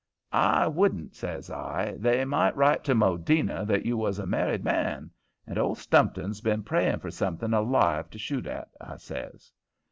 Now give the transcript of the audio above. "I wouldn't," says I. "They might write to Maudina that you was a married man. And old Stumpton's been praying for something alive to shoot at," I says.